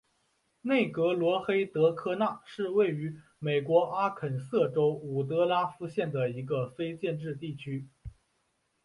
内格罗黑德科纳是位于美国阿肯色州伍德拉夫县的一个非建制地区。